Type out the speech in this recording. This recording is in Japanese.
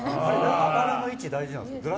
あばらの位置大事なんですか？